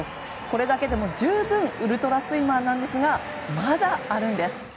これだけでも十分ウルトラスイマーですがまだあるんです。